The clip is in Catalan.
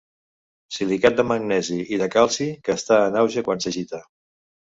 Silicat de magnesi i de calci que està en auge quan s'agita.